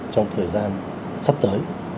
trong thời gian sắp tới